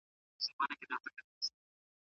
بيرته د خاوند او ميرمني په توګه ژوند سره کولای سي.